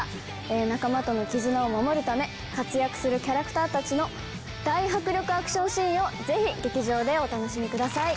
仲間との絆を守るため活躍するキャラクターたちの大迫力アクションシーンをぜひ劇場でお楽しみください！